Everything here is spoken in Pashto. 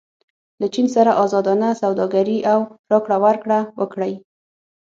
له چین سره ازادانه سوداګري او راکړه ورکړه وکړئ.